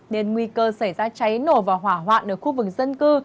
nên nguy cơ xảy ra cháy nổ và hỏa hoạn ở khu vực dân cư